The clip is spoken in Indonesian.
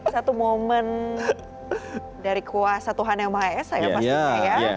satu momen dari kuasa tuhan yang maha esa ya pastinya ya